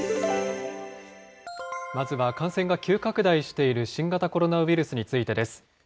まずは感染が急拡大している新型コロナウイルスについてです。